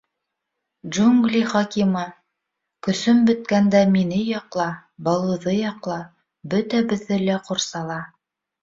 Джунгли Хакимы, көсөм бөткәндә мине яҡла, Балуҙы яҡла, бөтәбеҙҙе лә ҡурсала.